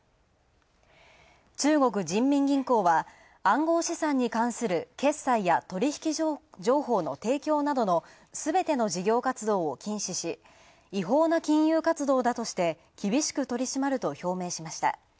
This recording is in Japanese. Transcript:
中国人民銀行は、暗号資産に関する決済や取引情報の提供などのすべての事業活動を禁止し、違法な金融活動だとして厳しく取り締まると表明しました